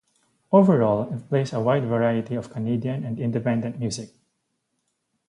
Overall it plays a wide variety of Canadian and independent music.